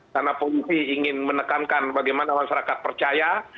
karena polri ingin menekankan bagaimana masyarakat percaya